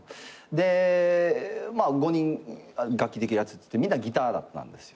でまあ５人楽器できるやつっつってみんなギターだったんですよ。